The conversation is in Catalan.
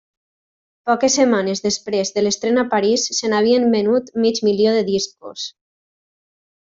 Poques setmanes després de l'estrena a París se n'havien venut mig milió de discos.